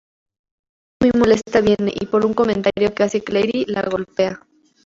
Jackie, muy molesta, viene y por un comentario que hace Claire la golpea.